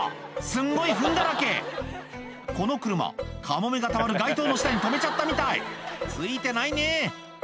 すんごいフンだらけこの車カモメがたまる街灯の下に止めちゃったみたいついてないね